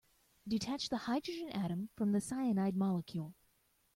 Detach the hydrogen atom from the cyanide molecule.